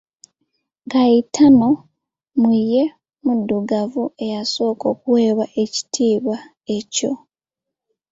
Gayitano mu ye muddugavu eyasooka okuweebwa ekitiibwa ekyo.